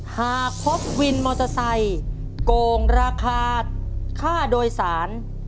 หากพบวินมอเตอร์ไซค์โกงราคาค่าโดยสาร